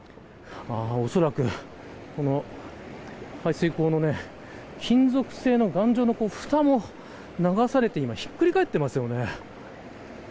おそらく排水口の金属製の頑丈なふたも流されてひっくり返っています。